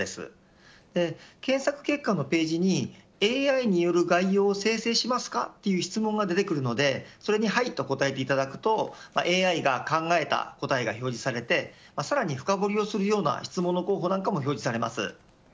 検索結果のページにＡＩによる概要を生成しますかという質問が出てくるのでそれに、はいと答えていただくとＡＩが考えた答えが表示されてさらに深掘りをするような質問の候補も表示されます。